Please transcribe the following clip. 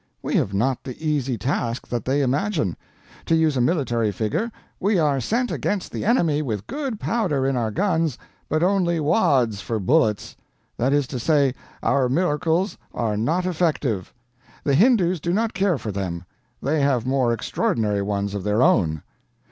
We have not the easy task that they imagine. To use a military figure, we are sent against the enemy with good powder in our guns, but only wads for bullets; that is to say, our miracles are not effective; the Hindoos do not care for them; they have more extraordinary ones of their own.